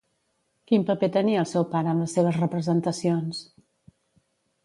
Quin paper tenia el seu pare en les seves representacions?